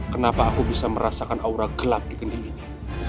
kenapa aku bisa merasakan aura gelap di kendi ini